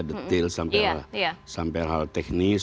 detil sampai hal teknis